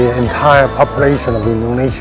seluruh populasi bank indonesia